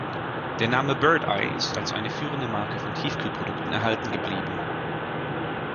Der Name „Bird Eye“ ist als eine führende Marke von Tiefkühlprodukten erhalten geblieben.